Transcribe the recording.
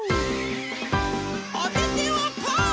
おててはパー！